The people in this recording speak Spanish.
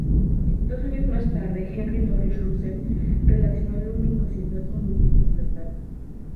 Dos años más tarde, Henry Norris Russell relacionó luminosidad con tipo espectral.